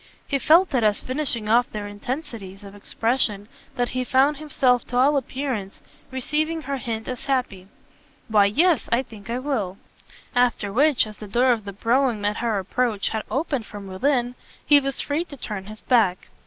He felt it as finishing off their intensities of expression that he found himself to all appearance receiving her hint as happy. "Why yes I think I will": after which, as the door of the brougham, at her approach, had opened from within, he was free to turn his back.